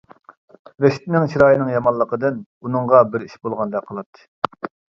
رىشىتنىڭ چىرايىنىڭ يامانلىقىدىن ئۇنىڭغا بىر ئىش بولغاندەك قىلاتتى.